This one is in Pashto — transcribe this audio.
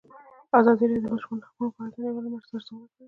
ازادي راډیو د د ماشومانو حقونه په اړه د نړیوالو مرستو ارزونه کړې.